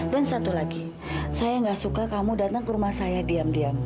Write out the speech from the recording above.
dan satu lagi saya nggak suka kamu datang ke rumah saya diam diam